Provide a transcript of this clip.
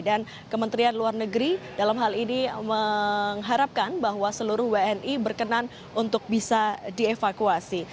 dan kementerian luar negeri dalam hal ini mengharapkan bahwa seluruh wni berkenan untuk bisa dievakuasi